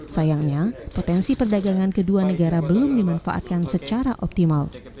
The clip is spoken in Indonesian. sayangnya potensi perdagangan kedua negara belum dimanfaatkan secara optimal